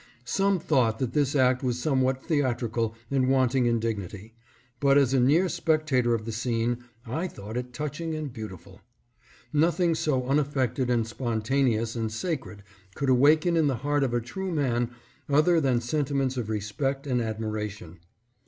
Some thought that this act was somewhat theatrical and wanting in dignity, but as a near specta tor of the scene, I thought it touching and beautiful. Nothing so unaffected and spontaneous and sacred could awaken in the heart of a true man other than sentiments of respect and admiration.